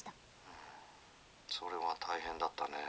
「うんそれは大変だったね。